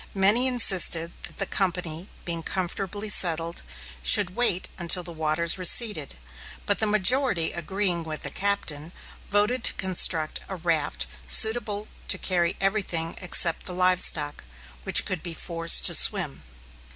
Many insisted that the company, being comfortably settled, should wait until the waters receded; but the majority agreeing with the Captain, voted to construct a raft suitable to carry everything except the live stock, which could be forced to swim.